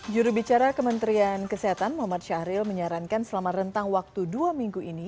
jurubicara kementerian kesehatan muhammad syahril menyarankan selama rentang waktu dua minggu ini